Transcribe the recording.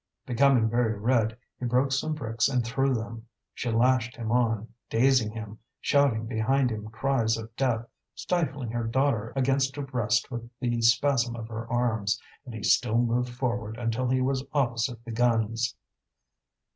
Becoming very red, he broke some bricks and threw them. She lashed him on, dazing him, shouting behind him cries of death, stifling her daughter against her breast with the spasm of her arms; and he still moved forward until he was opposite the guns.